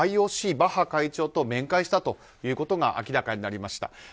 ＩＯＣ、バッハ会長と面会したということが明らかになりました。